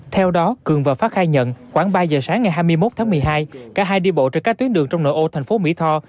theo đó cường và phát khai nhận khoảng ba giờ sáng ngày hai mươi một tháng một mươi hai cả hai đi bộ trên các tuyến đường trong nội ô thành phố mỹ tho